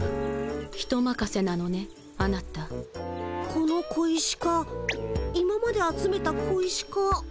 この小石か今まで集めた小石か。